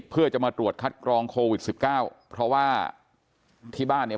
เพื่อจะมาตรวจคัดกรองโควิดสิบเก้าเพราะว่าที่บ้านเนี่ย